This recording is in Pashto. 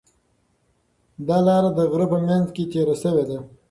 دا لاره د غره په منځ کې تېره شوې ده.